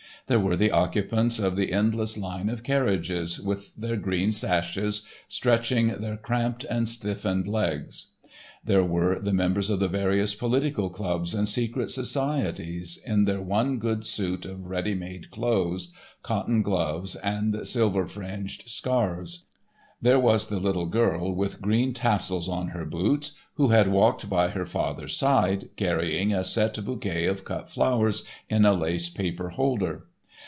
There were the occupants of the endless line of carriages, with their green sashes, stretching their cramped and stiffened legs. There were the members of the various political clubs and secret societies, in their one good suit of ready made clothes, cotton gloves, and silver fringed scarfs. There was the little girl, with green tassels on her boots, who had walked by her father's side carrying a set bouquet of cut flowers in a lace paper holder.